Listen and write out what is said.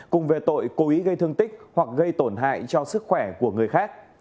cùng về tội cố ý gây thương tích hoặc gây tổn hại cho sức khỏe của người khác